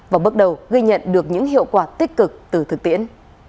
và bước đầu ghi nhận được những hiệu quả tích cực từ thực tiễn